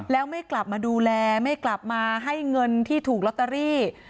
แล้วไม่กลับมาดูแลไม่กลับมาให้เงินที่ถูกลอตเตอรี่